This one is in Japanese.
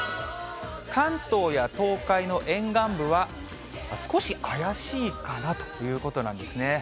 関東や東海の沿岸部は、少し怪しいかなということなんですね。